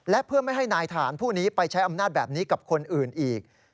และเพื่อไม่ให้นายฐานผู้นี้ไปใช้อำนาจแบบนี้กับคนอื่นอีก